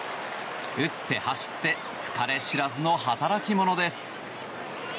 打って走って疲れ知らずの働き者です。